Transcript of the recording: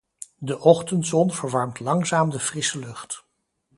De ochtendzon verwarmt langzaam de frisse lucht.